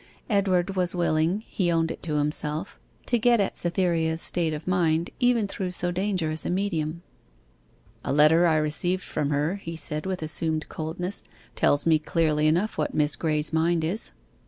Edward was willing, he owned it to himself, to get at Cytherea's state of mind, even through so dangerous a medium. 'A letter I received from her' he said, with assumed coldness, 'tells me clearly enough what Miss Graye's mind is.